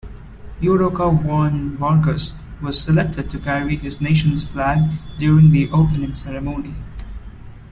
Judoka Juan Vargas was selected to carry his nation's flag during the opening ceremony.